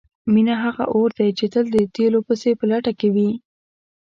مینه هغه اور دی چې تل د تیلو پسې په لټه کې وي.